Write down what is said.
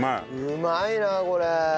うまいなこれ。